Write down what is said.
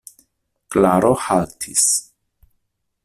Klaro haltis.